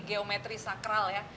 geometri sakral ya